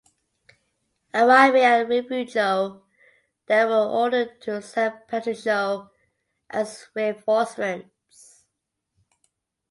Arriving at Refugio they were ordered to San Patricio as reinforcements.